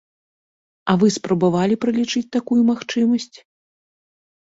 А вы спрабавалі пралічыць такую магчымасць?